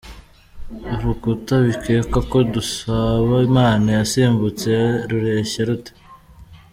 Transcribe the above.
Urukuta bikekwa ko Dusabimana yasimbutse rureshya rute?.